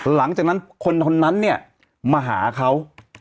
หลังจากนั้นคนนั้นมาหาเขา